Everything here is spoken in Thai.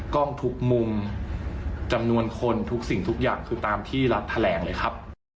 กล้องทุกมุมจำนวนคนทุกสิ่งทุกอย่างคือตามที่รัฐแถลงเลยครับ